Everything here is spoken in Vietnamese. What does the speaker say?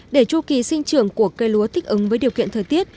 để chu kỳ sinh trưởng của cây lúa thích ứng với điều kiện thời tiết